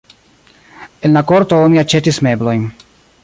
En la korto oni aĉetis meblojn.